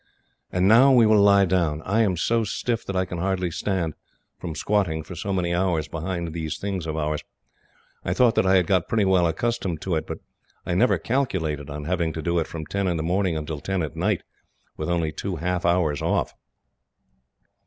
"And now we will lie down. I am so stiff that I can hardly stand, from squatting for so many hours behind those things of ours. I thought that I had got pretty well accustomed to it, but I never calculated on having to do it from ten in the morning until ten at night, with only two half hours off."